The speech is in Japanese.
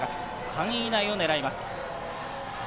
３位以内を狙います。